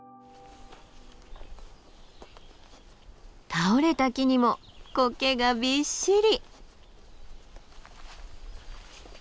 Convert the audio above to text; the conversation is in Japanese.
倒れた木にもコケがびっしり。